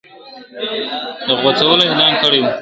د غوڅولو اعلان کړی وو ..